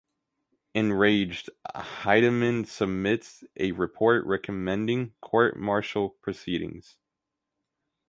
Enraged, Heidemann submits a report recommending court martial proceedings.